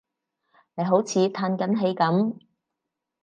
你好似歎緊氣噉